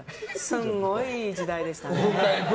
すごい、いい時代でしたね。